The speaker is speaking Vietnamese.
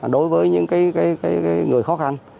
đối với những người khó khăn